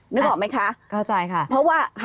นึกออกไหมคะเพราะว่า